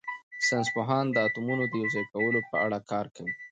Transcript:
ساینس پوهان د اتومونو د یوځای کولو په اړه کار کوي.